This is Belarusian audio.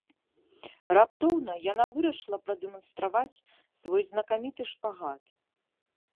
Раптоўна яна вырашыла прадэманстраваць свой знакаміты шпагат.